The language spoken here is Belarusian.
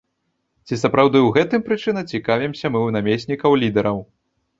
Ці сапраўды ў гэтым прычына, цікавімся мы ў намеснікаў лідараў.